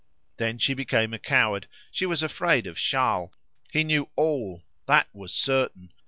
Then she became a coward; she was afraid of Charles; he knew all, that was certain!